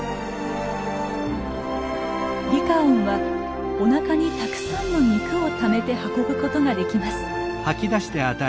リカオンはおなかにたくさんの肉をためて運ぶことができます。